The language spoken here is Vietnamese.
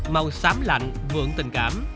màu xám lạnh vượng tình cảm